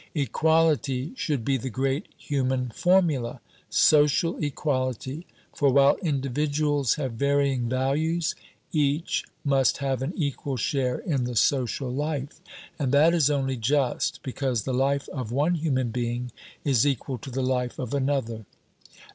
Equality should be the great human formula social equality, for while individuals have varying values, each must have an equal share in the social life; and that is only just, because the life of one human being is equal to the life of another.